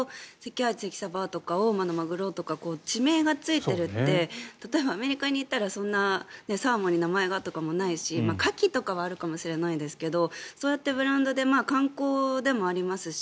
大間のマグロとか地名がついているって例えばアメリカにいったらサーモンに名前がとかもないしカキとかはあるかもしれないですけどそうやってブランドで観光でもありますし